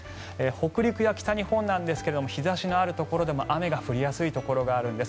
北陸や北日本日差しがあるところでも雨が降りやすいところがあるんです。